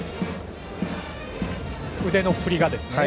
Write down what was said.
腕の振りがですね。